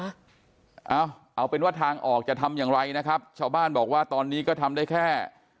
เอาเอาเป็นว่าทางออกจะทำอย่างไรนะครับชาวบ้านบอกว่าตอนนี้ก็ทำได้แค่